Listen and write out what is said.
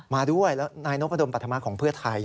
มาด้วยแล้วนายนพดนปัฒนธรรมะของเพื่อไทย